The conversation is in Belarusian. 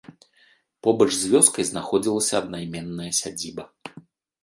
Побач з вёскай знаходзілася аднайменная сядзіба.